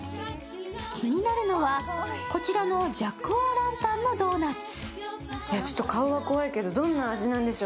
気になるのはこちらのジャック・オ・ランタンのドーナツ。